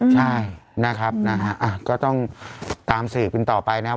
ใช่นะครับนะฮะก็ต้องตามสืบกันต่อไปนะครับ